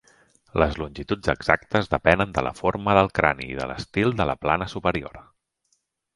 Les longituds exactes depenen de la forma del crani i de l'estil de la plana superior.